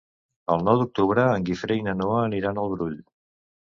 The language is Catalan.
El nou d'octubre en Guifré i na Noa aniran al Brull.